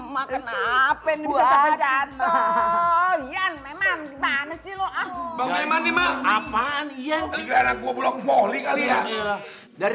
hai kenapa ini bisa sampai jatuh yan memang dimana sih lo ah memang apaan iya gue boli kali ya dari